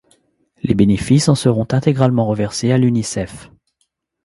Les bénéfices en seront intégralement reversés à l'Unicef.